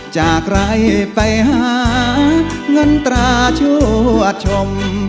จากไรไปหาเงินตราชั่วชม